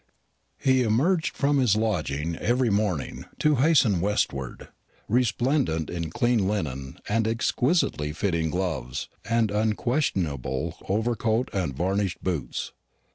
He emerged from his lodging every morning to hasten westward, resplendent in clean linen and exquisitely fitting gloves, and unquestionable overcoat, and varnished boots.